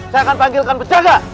saya akan panggilkan pejaga